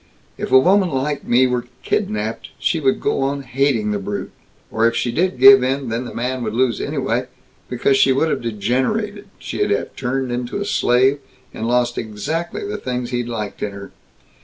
If a woman like me were kidnapped, she would go on hating the brute, or if she did give in, then the man would lose anyway, because she would have degenerated; she'd have turned into a slave, and lost exactly the things he'd liked in her.